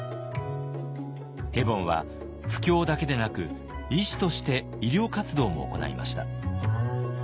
ヘボンは布教だけでなく医師として医療活動も行いました。